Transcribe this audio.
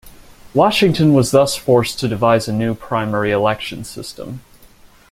Washington was thus forced to devise a new primary election system.